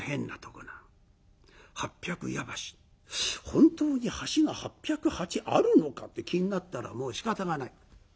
本当に橋が８０８あるのかって気になったらもうしかたがない。